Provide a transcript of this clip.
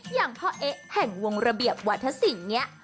อย่างพ่อเอ๊ะแห่งวงระเบียบวัฒนศิลป์เนี่ย